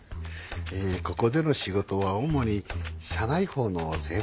ここでの仕事は主に社内報の制作です。